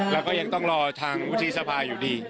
แล้วก็ยังต้องรอทางวุฒิสภาอยู่ดี